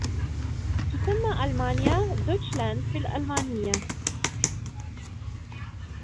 تسمّى ألمانيا «دويتشلاند» بالألمانيّة.